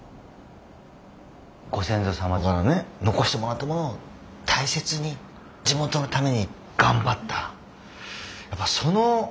ご先祖様からね残してもらったものを大切に地元のために頑張った。